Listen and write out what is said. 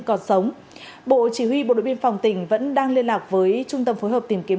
còn sống bộ chỉ huy bộ đội biên phòng tỉnh vẫn đang liên lạc với trung tâm phối hợp tìm kiếm